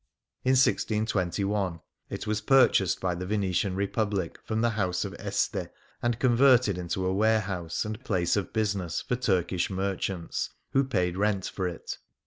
In 1621 it was purchased by the Venetian Republic from the House of Este, and converted into a warehouse and place of business for Turkish merchants, who paid rent for it.